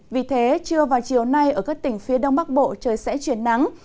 vì thế trưa vào chiều nay ở các tỉnh phía đông bắc bộ trời sẽ chuyển nắng